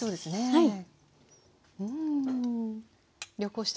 はい。